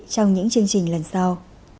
trong những chương trình lần sau